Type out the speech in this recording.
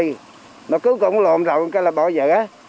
mà cuối cùng cũng lộn rộn cái là bỏ dở